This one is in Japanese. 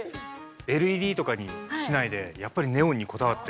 ＬＥＤとかにしないでやっぱりネオンにこだわって。